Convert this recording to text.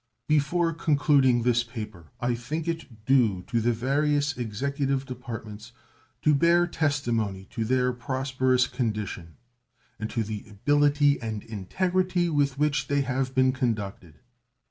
Before concluding this paper I think it due to the various Executive Departments to bear testimony to their prosperous condition and to the ability and integrity with which they have been conducted.